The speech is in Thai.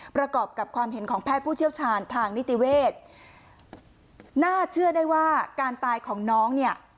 ประกอบกับความเห็นของแพทย์ผู้เชี่ยวชาญทางนิติเวศน่าเชื่อได้ว่าการตายของน้องเนี่ย